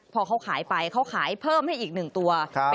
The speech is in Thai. พอเขาขายไปเขาขายเพิ่มให้อีก๑ตัว